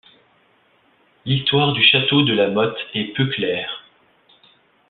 L'histoire du château de la Mothe est peu claire.